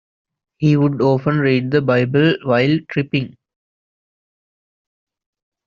He would often read the Bible while tripping.